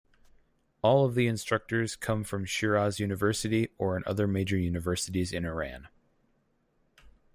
All of the instructors come from Shiraz University or other major universities in Iran.